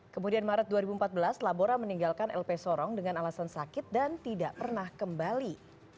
kemudian maret dua ribu empat belas labora meninggalkan lp sorong dengan alasan sakit dan tidak pernah kembali